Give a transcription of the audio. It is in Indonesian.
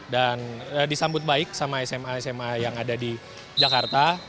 dan disambut baik sama sma sma yang ada di jakarta